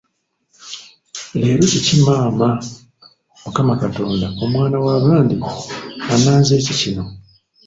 Leero kiki maama! Mukama Katonda, omwana w'abandi annanze ki kino?